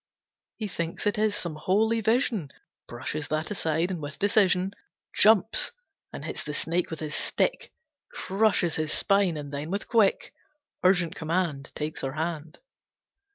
He thinks it is some holy vision, Brushes that aside and with decision Jumps and hits the snake with his stick, Crushes his spine, and then with quick, Urgent command Takes her hand.